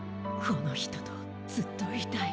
「このひととずっといたい」